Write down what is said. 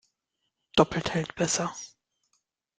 Doppelt hält besser.